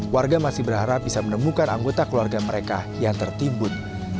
warga masih berharap bisa menemukan anggota keluarga mereka yang tertimbun